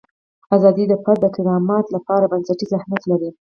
ازادي د فرد د کرامت لپاره بنسټیز اهمیت لري.